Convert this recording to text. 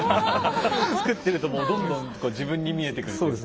作ってるともうどんどん自分に見えてくるっていうか。